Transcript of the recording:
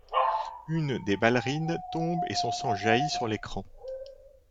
Une des ballerines tombe et son sang jailli sur l'écran.